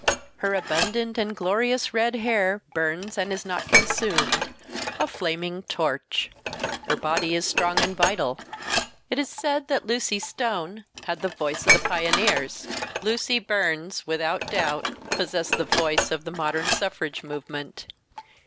Her abundant and glorious red hair burns and is not consumed—a flaming torch. Her body is strong and vital. It is said that Lucy Stone had the "voice" of the pioneers. Lucy Burns without doubt possessed the "voice" of the modern suffrage movement.